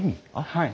はい。